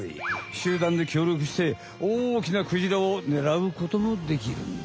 集団できょうりょくしておおきなクジラをねらうこともできるんだ。